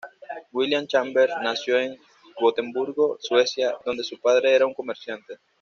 William Chambers nació en Gotemburgo, Suecia, donde su padre era un comerciante.